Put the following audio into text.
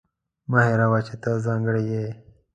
مه هېروه چې ته ځانګړې یې.